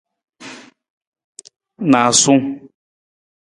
Naasung.